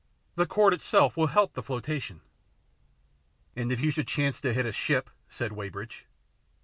The cord itself will help the flotation." " And if you should chance to hit a ship ?" said Weybridge.